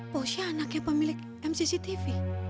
posnya anaknya pemilik mcc tv